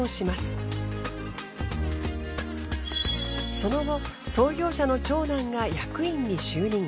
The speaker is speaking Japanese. その後創業者の長男が役員に就任。